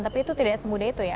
tapi itu tidak semudah itu ya